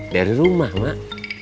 dari rumah mak